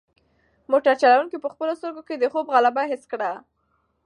موټر چلونکی په خپلو سترګو کې د خوب غلبه حس کړه.